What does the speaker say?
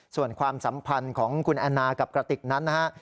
ส่วนความสัมพันธ์ของคุณแอนนากับกระติกนั้นนะฮะ